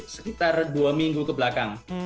sekitar dua minggu kebelakang